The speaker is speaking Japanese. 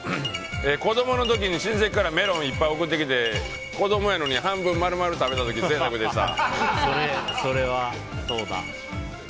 子供の時に親戚からメロンいっぱい送ってきて子供やのに半分丸々食べた時贅沢でした。